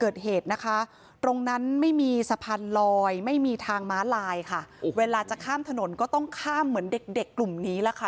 เกิดเหตุนะคะตรงนั้นไม่มีสะพานลอยไม่มีทางม้าลายค่ะเวลาจะข้ามถนนก็ต้องข้ามเหมือนเด็กเด็กกลุ่มนี้ล่ะค่ะ